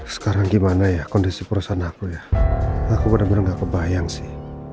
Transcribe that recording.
sekarang gimana ya kondisi perusahaan aku ya aku benar benar gak kebayang sih